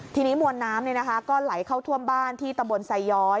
ทีนี้มวลน้ำก็ไหลเข้าท่วมบ้านที่ตำบลไซย้อย